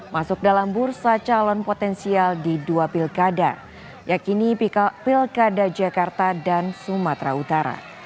masuk dalam bursa calon potensial di dua pilkada yakni pilkada jakarta dan sumatera utara